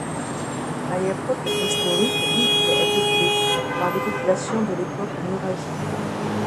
À l’époque préhistorique, l’île est peuplée par des populations de l’époque nuragique.